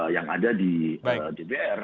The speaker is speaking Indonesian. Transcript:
yang ada di dpr